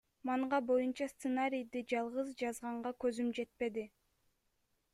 Манга боюнча сценарийди жалгыз жазганга көзүм жетпеди.